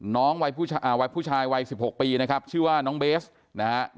วัยผู้ชายวัย๑๖ปีนะครับชื่อว่าน้องเบสนะฮะ